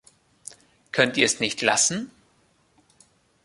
Könnt ihr’s nicht lassen?